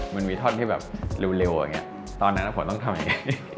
มีทอนที่แบบเร็วตอนนั้นนะผมต้องทำแบบนี้